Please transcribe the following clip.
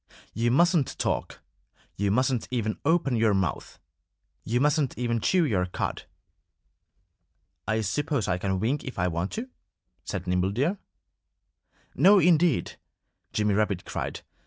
"You mustn't talk. You mustn't even open your mouth. You mustn't even chew your cud." "I suppose I can wink if I want to," said Nimble Deer. "No, indeed!" Jimmy Rabbit cried.